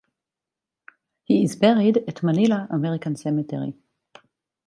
He is buried at Manila American Cemetery.